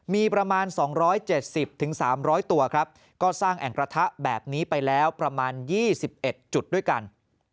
มีประมาณ๒๗๐๓๐๐ตัวครับก็สร้างแอ่งกระทะแบบนี้ไปแล้วประมาณ๒๑จุดด้วยกัน